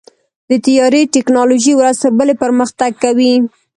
د طیارې ټیکنالوژي ورځ تر بلې پرمختګ کوي.